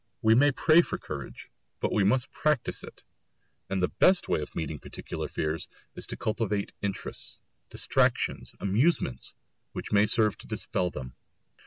We may pray for courage, but we must practise it; and the best way of meeting particular fears is to cultivate interests, distractions, amusements, which may serve to dispel them.